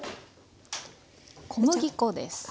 小麦粉です。